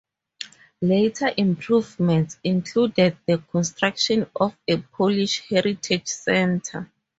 Later improvements included the construction of a Polish Heritage Center.